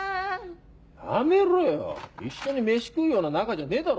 やめろよ一緒にメシ食うような仲じゃねえだろ。